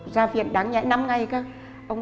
ra viện đáng nhẽ năm ngày cơ